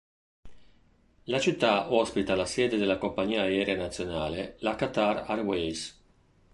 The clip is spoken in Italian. La città ospita la sede della compagnia aerea nazionale: la Qatar Airways.